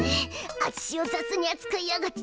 あちしを雑にあつかいやがって。